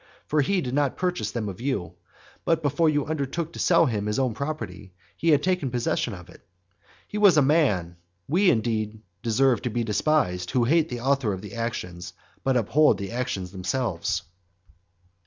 For he did not purchase them of you; but, before you undertook to sell him his own property, he had taken possession of it. He was a man we, indeed, deserve to be despised, who hate the author of the actions, but uphold the actions themselves.